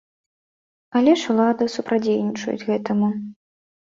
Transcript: Але ж улады супрацьдзейнічаюць гэтаму.